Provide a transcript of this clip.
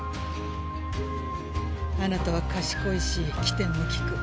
あなたは賢いし機転も利く。